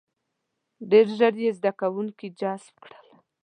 • ډېر ژر یې زده کوونکي جذب کړل.